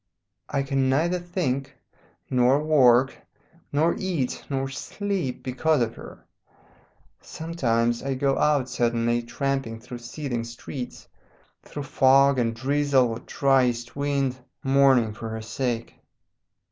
I can neither think nor work nor eat nor sleep because of her. Sometimes I go out suddenly, tramping through seething streets, through fog and drizzle or dry east wind, mourning for her sake.